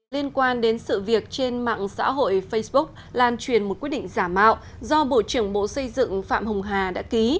liên quan đến sự việc trên mạng xã hội facebook lan truyền một quyết định giả mạo do bộ trưởng bộ xây dựng phạm hồng hà đã ký